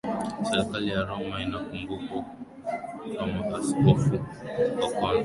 serikali ya Roma Anakumbukwa kama Askofu wa kwanza wa Aleksandria